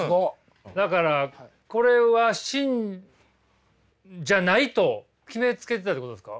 だからこれは芯じゃないと決めつけてたってことですか？